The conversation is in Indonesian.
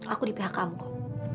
aku di pihak kamu kok